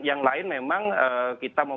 yang lain memang kita